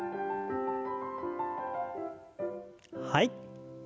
はい。